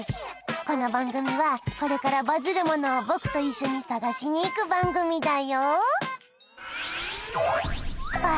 この番組はこれからバズるものをぼくと一緒に探しに行く番組だよ